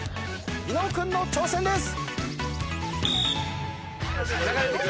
伊野尾君の挑戦です。